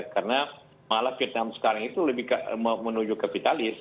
karena malah vietnam sekarang itu lebih menuju kapitalis